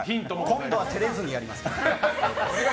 今度は照れずにやりますから。